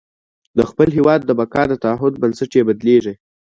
د خپل هېواد د بقا د تعهد بنسټ یې بدلېږي.